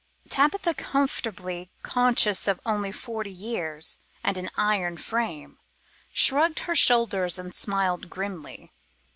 Tabitha, comfortably conscious of only forty years and an iron frame, shrugged her shoulders and smiled grimly.